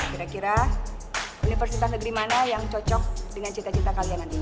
kira kira universitas negeri mana yang cocok dengan cita cita kalian nanti